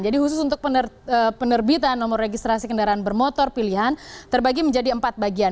jadi khusus untuk penerbitan nomor registrasi kendaraan bermotor pilihan terbagi menjadi empat bagian